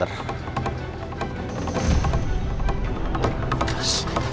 hanya ada yang bisa dikira